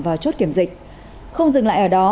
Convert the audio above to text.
vào chốt kiểm dịch không dừng lại ở đó